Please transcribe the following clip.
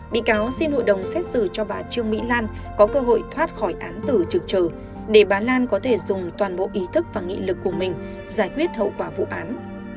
bị cáo xin hội đồng xét xử cho bà trương mỹ lan có cơ hội thoát khỏi án tử trực trừ để bà lan có thể dùng toàn bộ ý thức và nghị lực của mình giải quyết hậu quả vụ án